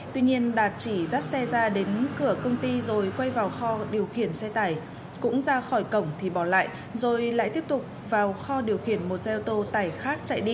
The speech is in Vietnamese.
tuy nhiên đạt chỉ dắt xe ra đến cửa công ty rồi quay vào kho điều khiển xe tải cũng ra khỏi cổng thì bỏ lại rồi lại tiếp tục vào kho điều khiển một xe ô tô tải khác chạy đi